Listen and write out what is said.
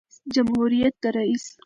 جمهوریت د رئیس